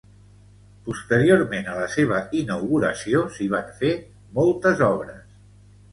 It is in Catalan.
Posteriorment a la seva inauguració s'hi van fer moltes obres.